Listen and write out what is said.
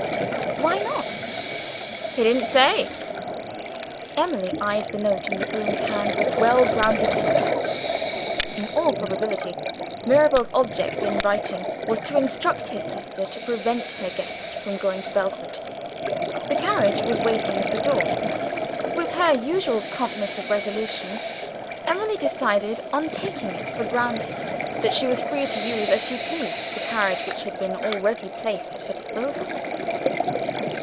"Why not?" "He didn't say." Emily eyed the note in the man's hand with well grounded distrust. In all probability, Mirabel's object in writing was to instruct his sister to prevent her guest from going to Belford. The carriage was waiting at the door. With her usual promptness of resolution, Emily decided on taking it for granted that she was free to use as she pleased a carriage which had been already placed at her disposal.